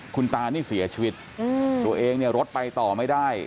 คุณตานี่เสียชีวิตตัวเองเนี่ยรถไปต่อไม่ได้